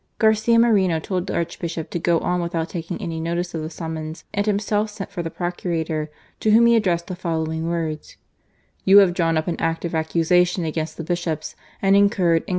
Garcia Moreno told the Archbishop to go on without taking any notice of the summons, and himself sent 122 GARCIA MORENO. for the Procurator, to whom he addressed the following words :" You have drawn up an act of accusation against the Bishops, and incurred, in.